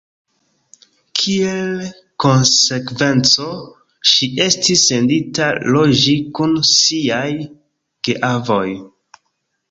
Kiel konsekvenco, ŝi estis sendita loĝi kun siaj geavoj.